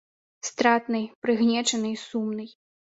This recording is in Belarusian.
Стратнай, прыгнечанай і сумнай.